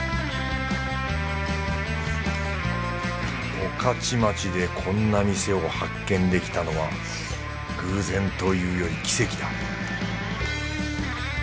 御徒町でこんな店を発見できたのは偶然というより奇跡だ